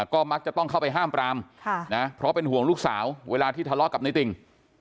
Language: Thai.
ก็มักจะต้องเข้าไปห้ามปรามเพราะเป็นห่วงลูกสาวเวลาที่ทะเลาะกับในติ่ง